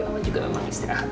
mama juga memang istirahat